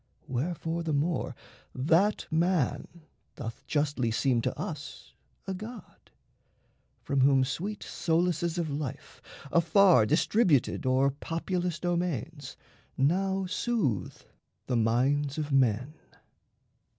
Wherefore the more That man doth justly seem to us a god, From whom sweet solaces of life, afar Distributed o'er populous domains, Now soothe the minds of men.